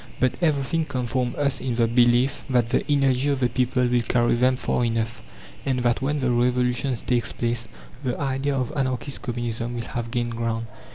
But everything confirms us in the belief that the energy of the people will carry them far enough, and that, when the Revolution takes place, the idea of anarchist Communism will have gained ground.